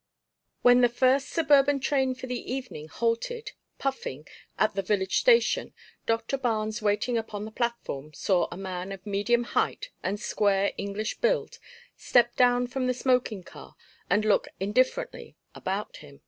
When the first suburban train for the evening halted, puffing, at the village station, Doctor Barnes waiting upon the platform, saw a man of medium height and square English build step down from the smoking car and look indifferently about him.